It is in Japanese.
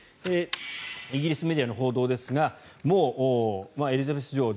イギリスメディアの報道ですがもうエリザベス女王